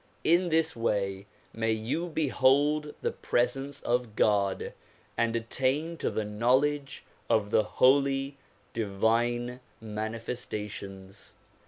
In this way may you behold the presence of God and attain to the knowledge of the holy, divine manifestations.